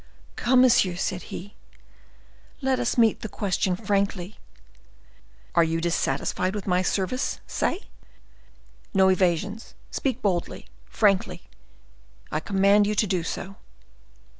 "Come, monsieur," said he, "let us meet the question frankly. Are you dissatisfied with my service, say? No evasions; speak boldly, frankly—I command you to do so."